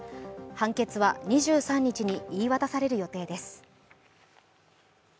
判決は２３日に言い渡される予定です。